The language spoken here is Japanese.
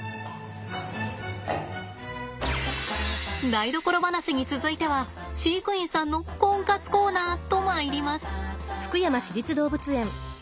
台所話に続いては飼育員さんのコンカツコーナーとまいります。